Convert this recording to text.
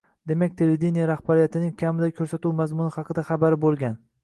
Demak, televideniye rahbariyatining kamida ko‘rsatuv mazmuni haqida xabari bo‘lgan.